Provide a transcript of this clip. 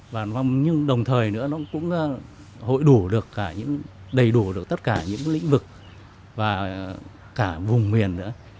và nhưng đồng thời nữa nó cũng hội đủ được đầy đủ được tất cả những lĩnh vực và cả vùng miền nữa